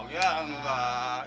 ini baru setelah